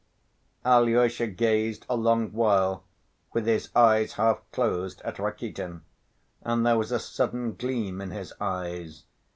Alyosha gazed a long while with his eyes half closed at Rakitin, and there was a sudden gleam in his eyes